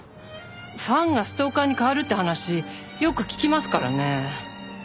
ファンがストーカーに変わるって話よく聞きますからね。